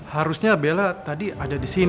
harusnya bella tadi ada di sini